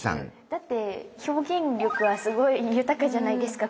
だって表現力がすごい豊かじゃないですか